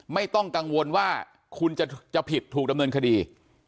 ไม่ต้องกังวลว่าคุณจะผิดถูกดำเนินคดี